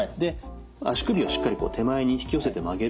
足首をしっかり手前に引き寄せて曲げる。